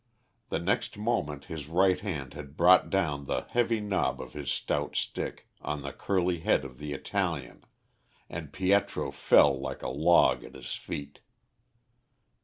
The next moment his right hand had brought down the heavy knob of his stout stick on the curly head of the Italian, and Pietro fell like a log at his feet.